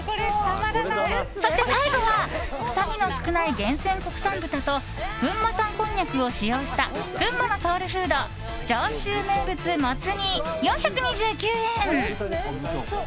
そして最後は臭みの少ない厳選国産豚と群馬産こんにゃくを使用した群馬のソウルフード上州名物もつ煮、４２９円。